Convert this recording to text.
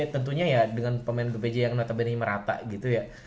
tentunya ya dengan pemain bpj yang notabene merata gitu ya